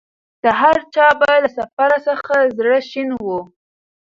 د هرچا به له سفر څخه زړه شین وو